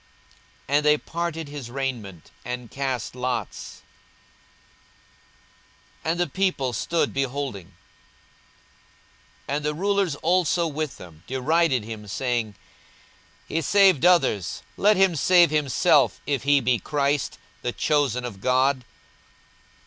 And they parted his raiment, and cast lots. 42:023:035 And the people stood beholding. And the rulers also with them derided him, saying, He saved others; let him save himself, if he be Christ, the chosen of God.